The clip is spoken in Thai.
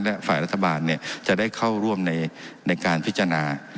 และฝ่ายรัฐบาลจะได้เข้าร่วมในการพิจารณา